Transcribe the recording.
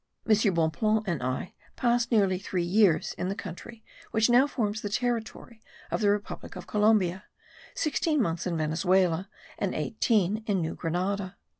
M. Bonpland and I passed nearly three years in the country which now forms the territory of the republic of Columbia; sixteen months in Venezuela and eighteen in New Grenada.